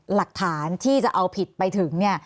หลักฐานที่จะเอาผิดไปถึงเนี่ย